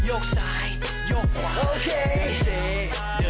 โอเค